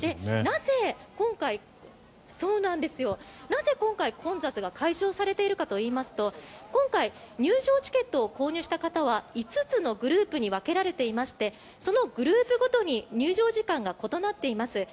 なぜ今回混雑が解消されているかといいますと今回、入場チケットを購入した方は５つのグループに分けられていましてそのグループごとに入場時間が異なっています。